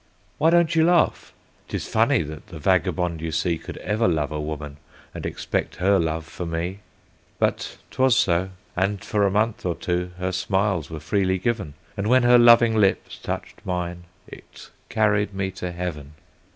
"Why don't you laugh? 'Tis funny that the vagabond you see Could ever love a woman, and expect her love for me; But 'twas so, and for a month or two, her smiles were freely given, And when her loving lips touched mine, it carried me to Heaven.